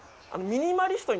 ミニマリスト？